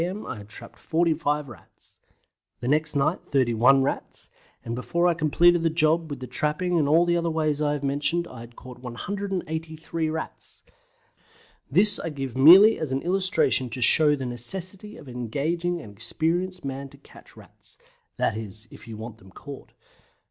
m. I had trapped 45 Rats; the next night 31 Rats; and before I completed the job, with the trapping and the other ways that I have mentioned, I caught 183 Rats! This I give merely as an illustration to show the necessity of engaging an experienced man to catch Rats that is, if you want them caught.